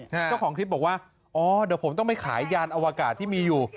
เจ้าของคลิปบอกว่าอ๋อเดี๋ยวผมต้องไปขายยานอวกาศที่มีอยู่